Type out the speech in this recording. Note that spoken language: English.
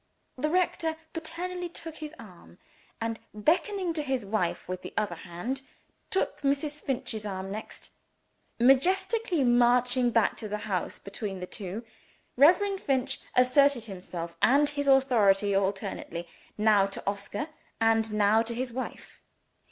The rector paternally took his arm; and, beckoning to his wife with the other hand, took Mrs. Finch's arm next. Majestically marching back to the house between the two, Reverend Finch asserted himself and his authority alternately, now to Oscar and now to his wife.